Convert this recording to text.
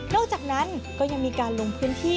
จากนั้นก็ยังมีการลงพื้นที่